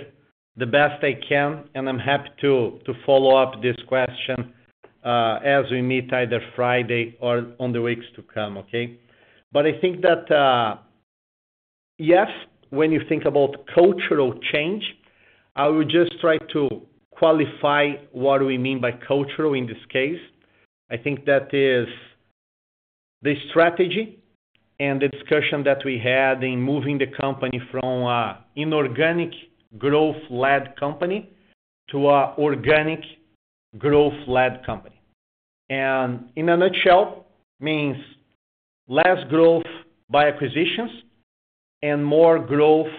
the best I can, and I'm happy to follow up this question as we meet either Friday or on the weeks to come, okay? But I think that, yes, when you think about cultural change, I would just try to qualify what we mean by cultural in this case. I think that is the strategy and the discussion that we had in moving the company from an inorganic growth-led company to an organic growth-led company. And in a nutshell, it means less growth by acquisitions and more growth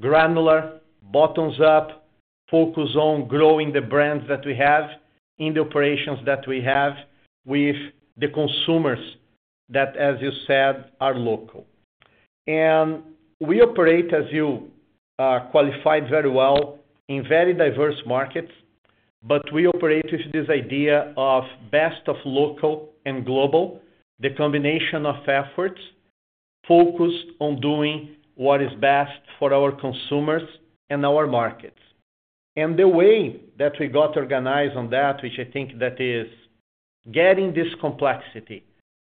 granular, bottoms-up, focus on growing the brands that we have in the operations that we have with the consumers that, as you said, are local. We operate, as you qualified very well, in very diverse markets, but we operate with this idea of best of local and global, the combination of efforts focused on doing what is best for our consumers and our markets. The way that we got organized on that, which I think that is getting this complexity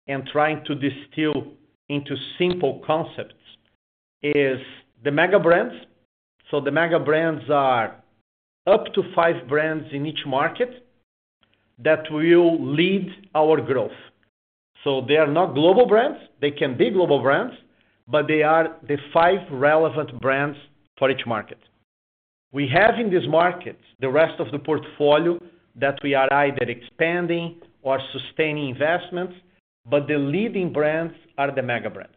and trying to distill into simple concepts, is the Mega Brands. The Mega Brands are up to five brands in each market that will lead our growth. They are not global brands. They can be global brands, but they are the five relevant brands for each market. We have in this market the rest of the portfolio that we are either expanding or sustaining investments, but the leading brands are the Mega Brands.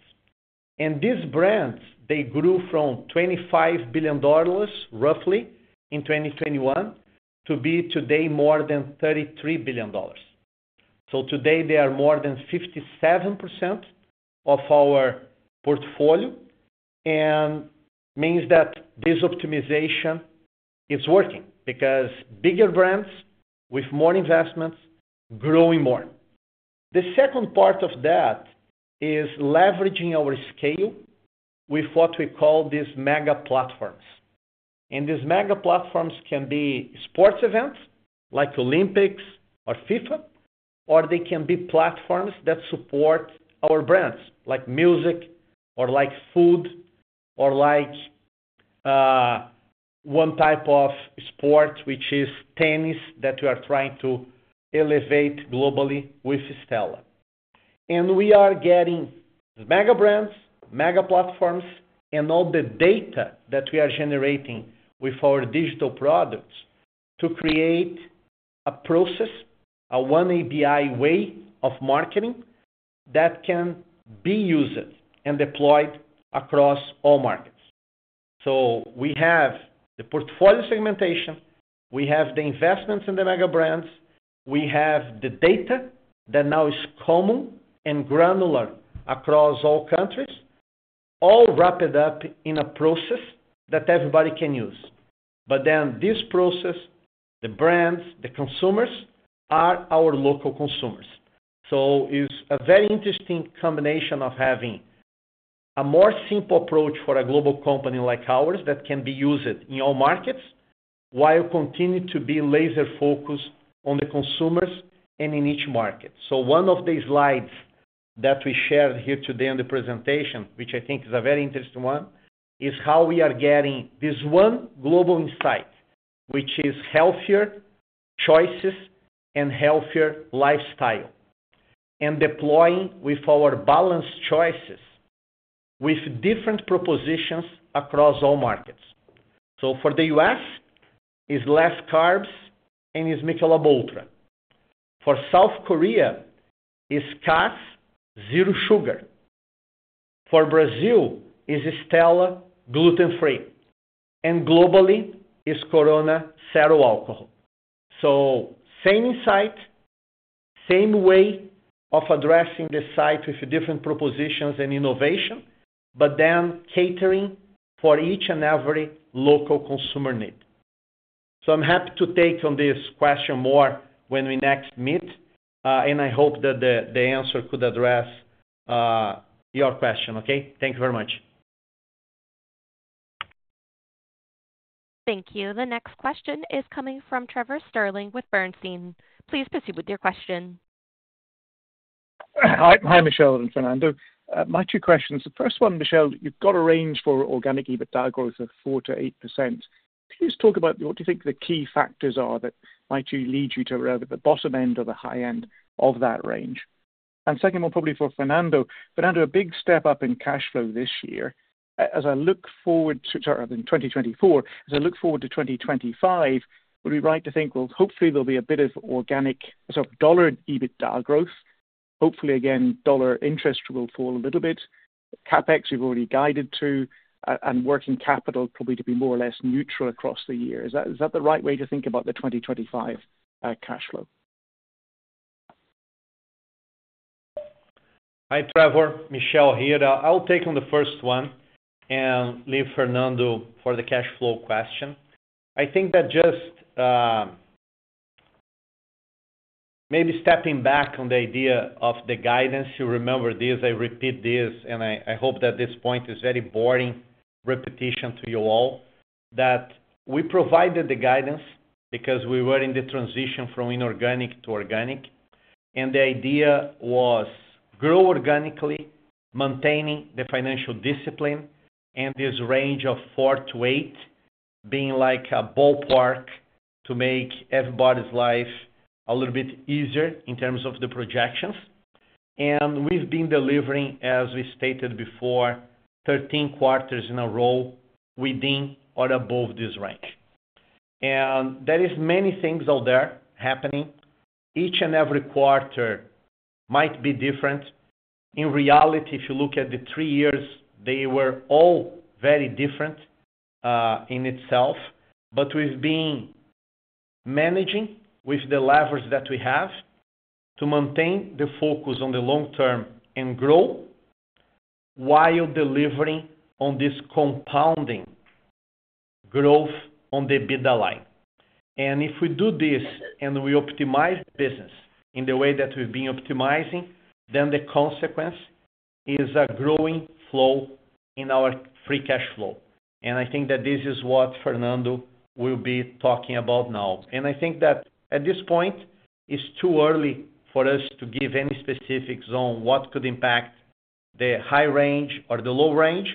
These brands grew from $25 billion, roughly, in 2021 to be today more than $33 billion. Today, they are more than 57% of our portfolio, and it means that this optimization is working because bigger brands with more investments grow more. The second part of that is leveraging our scale with what we call these mega platforms. These mega platforms can be sports events like Olympics or FIFA, or they can be platforms that support our brands like music or like food or like one type of sport, which is tennis that we are trying to elevate globally with Stella. We are getting mega brands, mega platforms, and all the data that we are generating with our digital products to create a process, a one-API way of marketing that can be used and deployed across all markets. So we have the portfolio segmentation, we have the investments in the mega brands, we have the data that now is common and granular across all countries, all wrapped up in a process that everybody can use. But then this process, the brands, the consumers are our local consumers. So it's a very interesting combination of having a more simple approach for a global company like ours that can be used in all markets while continuing to be laser-focused on the consumers and in each market. So one of the slides that we shared here today on the presentation, which I think is a very interesting one, is how we are getting this one global insight, which is healthier choices and healthier lifestyle, and deploying with our balanced choices with different propositions across all markets. So for the U.S., it's less carbs and it's Michelob ULTRA. For South Korea, it's Cass, zero sugar. For Brazil, it's Stella, gluten-free. And globally, it's Corona, zero alcohol. So same insight, same way of addressing the thirst with different propositions and innovation, but then catering for each and every local consumer need. So I'm happy to take on this question more when we next meet, and I hope that the answer could address your question, okay? Thank you very much. Thank you. The next question is coming from Trevor Stirling with Bernstein. Please proceed with your question. Hi, Michel and Fernando. My two questions. The first one, Michel, you've got a range for organic EBITDA growth of 4%-8%. Could you just talk about what do you think the key factors are that might lead you to the bottom end or the high end of that range? Second one, probably for Fernando. Fernando, a big step up in cash flow this year. As I look forward to, sorry, in 2024, as I look forward to 2025, would it be right to think, well, hopefully, there'll be a bit of organic sort of dollar EBITDA growth? Hopefully, again, dollar interest will fall a little bit. CapEx, you've already guided to, and working capital probably to be more or less neutral across the year. Is that the right way to think about the 2025 cash flow? Hi, Trevor, Michel here. I'll take on the first one and leave Fernando for the cash flow question. I think that just maybe stepping back on the idea of the guidance, you remember this, I repeat this, and I hope that this point is very boring repetition to you all, that we provided the guidance because we were in the transition from inorganic to organic, and the idea was grow organically, maintaining the financial discipline, and this range of 4%-8% being like a ballpark to make everybody's life a little bit easier in terms of the projections, and we've been delivering, as we stated before, 13 quarters in a row within or above this range. And there are many things out there happening. Each and every quarter might be different. In reality, if you look at the three years, they were all very different in itself. But we've been managing with the levers that we have to maintain the focus on the long term and grow while delivering on this compounding growth on the EBITDA line. And if we do this and we optimize the business in the way that we've been optimizing, then the consequence is a growing flow in our free cash flow. And I think that this is what Fernando will be talking about now. And I think that at this point, it's too early for us to give any specifics on what could impact the high range or the low range.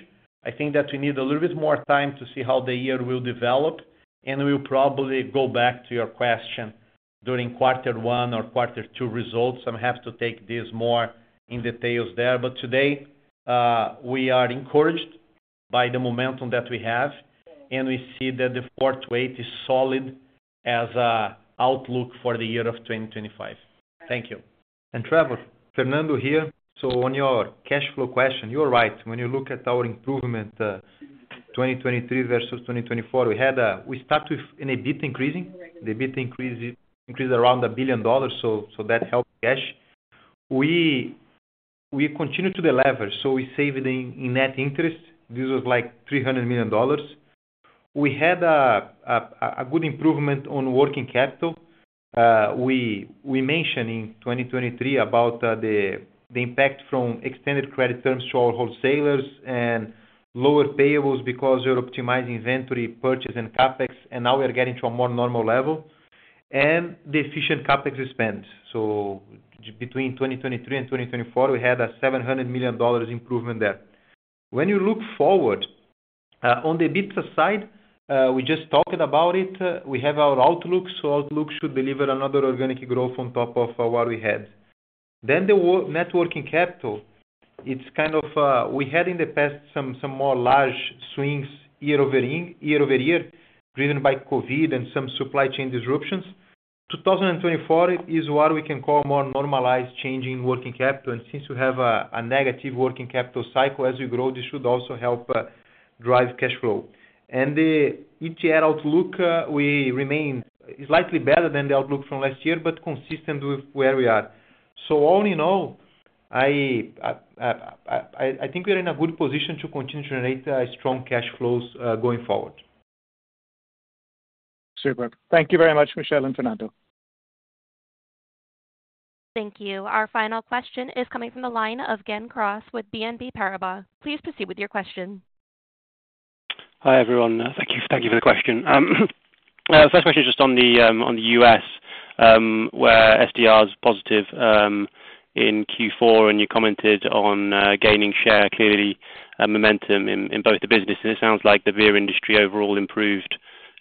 I think that we need a little bit more time to see how the year will develop. And we'll probably go back to your question during quarter one or quarter two results. I'm happy to take this more in details there. But today, we are encouraged by the momentum that we have, and we see that the 4-8 is solid as an outlook for the year of 2025. Thank you. And Trevor, Fernando here. So on your cash flow question, you're right. When you look at our improvement, 2023 versus 2024, we start with an EBIT increasing. The EBIT increased around $1 billion, so that helped cash. We continue to deliver, so we saved in net interest. This was like $300 million. We had a good improvement on working capital. We mentioned in 2023 about the impact from extended credit terms to our wholesalers and lower payables because we're optimizing inventory, purchase, and CapEx. And now we are getting to a more normal level and the efficient CapEx expense. So between 2023 and 2024, we had a $700 million improvement there. When you look forward on the EBITDA side, we just talked about it. We have our outlook, so outlook should deliver another organic growth on top of what we had. Then the net working capital, it's kind of we had in the past some more large swings year over year driven by COVID and some supply chain disruptions. 2024 is what we can call more normalized change in working capital. And since we have a negative working capital cycle as we grow, this should also help drive cash flow. And FY outlook, we remain slightly better than the outlook from last year, but consistent with where we are. So all in all, I think we are in a good position to continue to generate strong cash flows going forward. Super. Thank you very much, Michel and Fernando. Thank you. Our final question is coming from the line of Gen Cross with BNP Paribas. Please proceed with your question. Hi everyone. Thank you for the question. First question is just on the U.S., where STR is positive in Q4, and you commented on gaining share, clearly momentum in both the business, and it sounds like the beer industry overall improved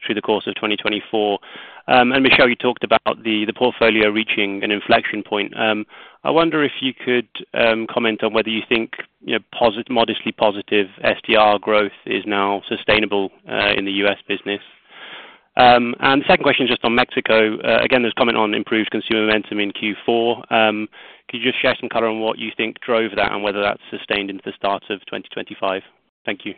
through the course of 2024, and Michel, you talked about the portfolio reaching an inflection point. I wonder if you could comment on whether you think modestly positive STR growth is now sustainable in the U.S. business, and the second question is just on Mexico. Again, there's comment on improved consumer momentum in Q4. Could you just share some color on what you think drove that and whether that's sustained into the start of 2025? Thank you.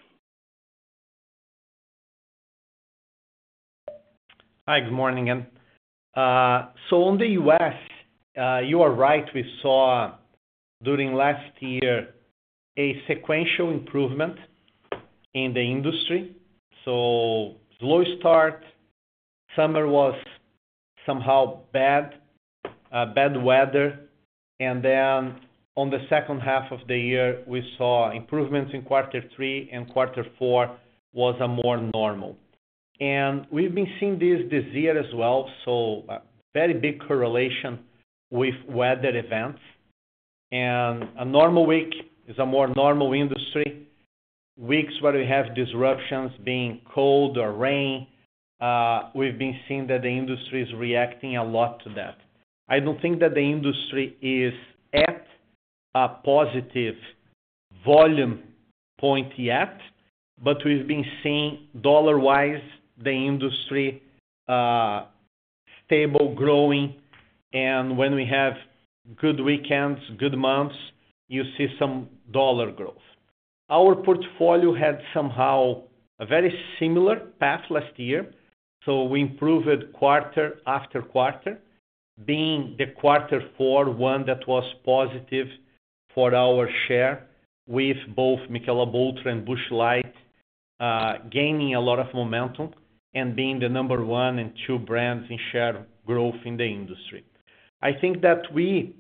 Hi, good morning again, so in the U.S., you are right. We saw during last year a sequential improvement in the industry. So slow start, summer was somehow bad, bad weather. And then on the second half of the year, we saw improvements in quarter three, and quarter four was more normal. And we've been seeing this year as well. So very big correlation with weather events. And a normal week is a more normal industry. Weeks where we have disruptions being cold or rain, we've been seeing that the industry is reacting a lot to that. I don't think that the industry is at a positive volume point yet, but we've been seeing dollar-wise the industry stable, growing. And when we have good weekends, good months, you see some dollar growth. Our portfolio had somehow a very similar path last year. So we improved quarter after quarter, being the quarter four one that was positive for our share with both Michelob Ultra and Busch Light gaining a lot of momentum and being the number one and two brands in share growth in the industry. I think that we,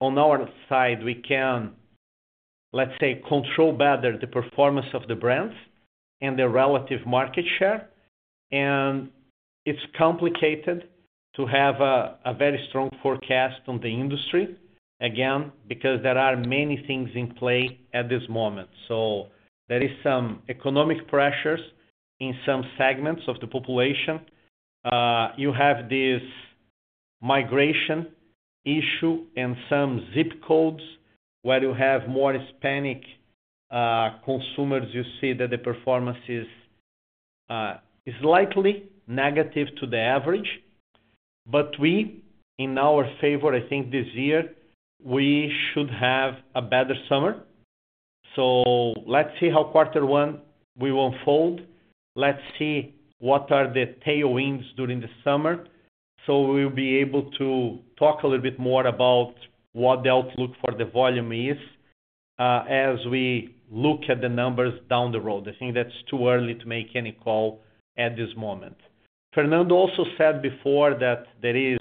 on our side, we can, let's say, control better the performance of the brands and the relative market share. And it's complicated to have a very strong forecast on the industry, again, because there are many things in play at this moment. So there are some economic pressures in some segments of the population. You have this migration issue and some zip codes where you have more Hispanic consumers. You see that the performance is likely negative to the average. But we, in our favor, I think this year, we should have a better summer. So let's see how quarter one will unfold. Let's see what are the tailwinds during the summer, so we'll be able to talk a little bit more about what the outlook for the volume is as we look at the numbers down the road. I think that's too early to make any call at this moment. Fernando also said before that there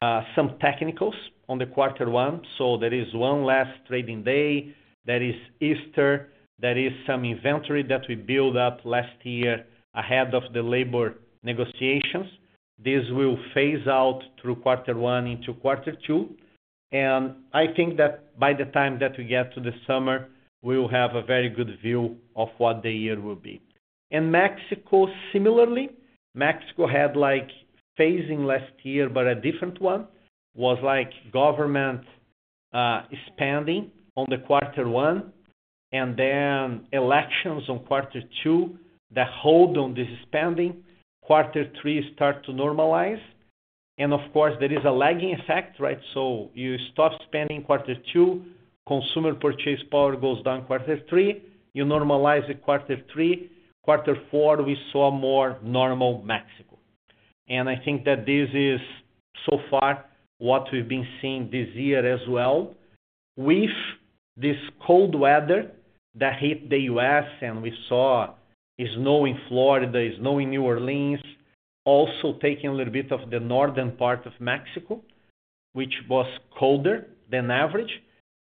are some technicals on quarter one, so there is one last trading day. There is Easter. There is some inventory that we built up last year ahead of the labor negotiations. This will phase out through quarter one into quarter two, and I think that by the time that we get to the summer, we'll have a very good view of what the year will be. And Mexico, similarly, Mexico had like phasing last year, but a different one was like government spending on quarter one and then elections on quarter two that hold on this spending. Quarter three starts to normalize. And of course, there is a lagging effect, right? So you stop spending quarter two, consumer purchase power goes down quarter three, you normalize quarter three. Quarter four, we saw more normal Mexico. And I think that this is so far what we've been seeing this year as well with this cold weather that hit the U.S., and we saw snow in Florida, snow in New Orleans, also taking a little bit of the northern part of Mexico, which was colder than average.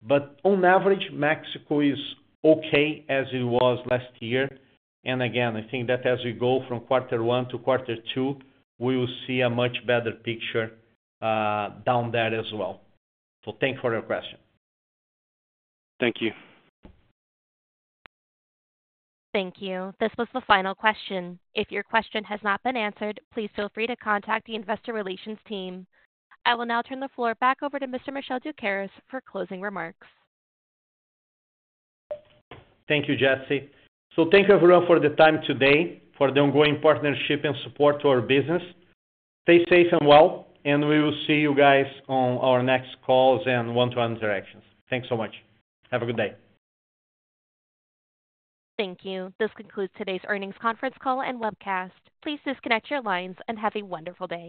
But on average, Mexico is okay as it was last year. And again, I think that as we go from quarter one to quarter two, we will see a much better picture down there as well. So thank you for your question. Thank you. Thank you. This was the final question. If your question has not been answered, please feel free to contact the investor relations team. I will now turn the floor back over to Mr. Michel Doukeris for closing remarks. Thank you, Jesse. So thank you everyone for the time today, for the ongoing partnership and support to our business. Stay safe and well, and we will see you guys on our next calls and one-to-one interactions. Thanks so much. Have a good day. Thank you. This concludes today's earnings conference call and webcast. Please disconnect your lines and have a wonderful day.